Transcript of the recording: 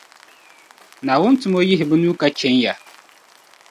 Naawuni tumo yihi bɛ nuu ka chɛ ya.